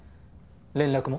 連絡も？